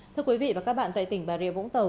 thưa quý vị và các bạn tại tỉnh bà rịa vũng tàu